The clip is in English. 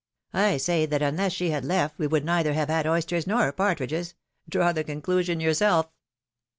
I say that unless she had left we would neither have had oysters nor partridges — draw the conclusion yourself."